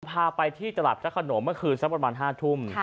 พาไปที่ตลาดพระขนงเมื่อคืนสักประมาณ๕ทุ่ม